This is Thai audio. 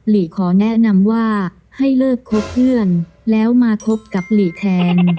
หลีขอแนะนำว่าให้เลิกคบเพื่อนแล้วมาคบกับหลีแทน